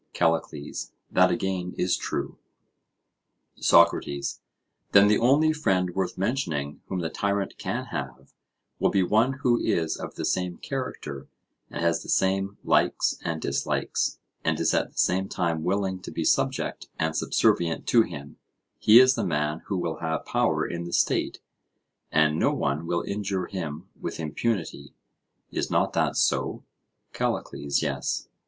CALLICLES: That again is true. SOCRATES: Then the only friend worth mentioning, whom the tyrant can have, will be one who is of the same character, and has the same likes and dislikes, and is at the same time willing to be subject and subservient to him; he is the man who will have power in the state, and no one will injure him with impunity:—is not that so? CALLICLES: Yes.